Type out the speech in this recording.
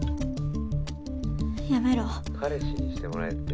やめろ「彼氏にしてもらえって？